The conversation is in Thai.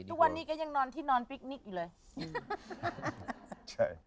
ทุกวันนี้ก็ยังนอนที่นอนพิคนิคอยู่เลย